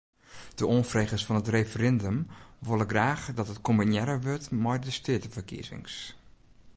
De oanfregers fan it referindum wolle graach dat it kombinearre wurdt mei de steateferkiezings.